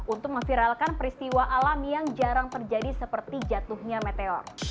untuk memviralkan peristiwa alam yang jarang terjadi seperti jatuhnya meteor